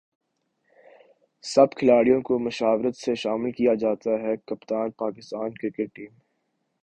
سب کھلاڑیوں کومشاورت سےشامل کیاجاتاہےکپتان پاکستان کرکٹ ٹیم